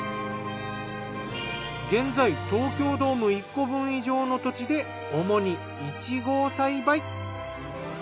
現在東京ドーム１個分以上の土地で主にイチゴを栽培。